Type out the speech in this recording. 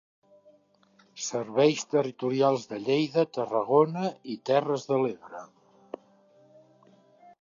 Serveis territorials de Lleida, Tarragona i Terres de l'Ebre.